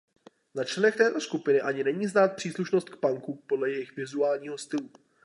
Na členech této skupiny ani není znát příslušnost k punku podle jejich vizuálního stylu.